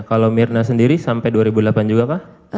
kalau myrna sendiri sampai dua ribu delapan juga pak